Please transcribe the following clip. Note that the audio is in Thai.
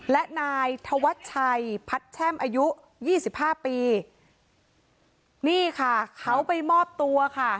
และนายธวัชชัยพัดแช่มอายุยี่สิบห้าปีนี่ค่ะเขาไปมอบตัวค่ะ